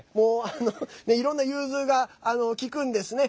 いろんな融通が利くんですね。